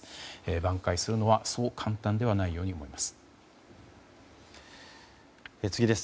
挽回するのはそう簡単ではないように思います。